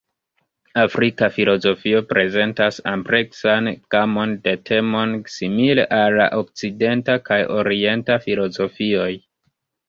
Afrika filozofio prezentas ampleksan gamon de temoj simile al la Okcidenta kaj Orienta filozofioj.